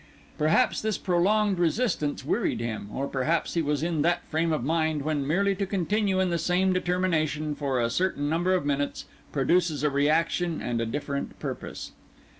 Perhaps this prolonged resistance wearied him, or perhaps he was in that frame of mind when merely to continue in the same determination for a certain number of minutes produces a reaction and a different purpose.